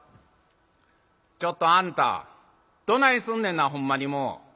「ちょっとあんたどないすんねんなほんまにもう」。